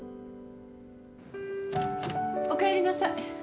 おかえりなさい。